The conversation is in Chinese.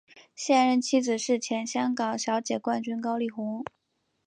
现任妻子是前香港小姐冠军高丽虹。